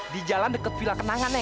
di jalan deket vila kenangan neng